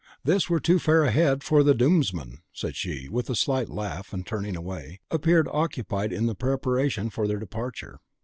"This were too fair a head for the doomsman," said she, with a slight laugh, and, turning away, appeared occupied in preparations for their departure.